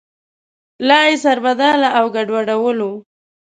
لا یې سربداله او ګډوډولو.